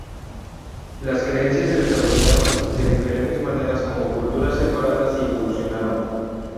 Las creencias se desarrollaron de diferentes maneras como culturas separadas y evolucionaron.